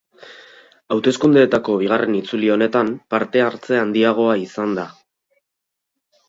Hauteskundeetako bigarren itzuli honetan parte-hartze handiagoa izan da.